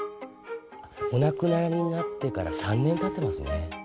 お亡くなりになってから３年たってますね。